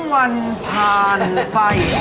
วันผ่านไป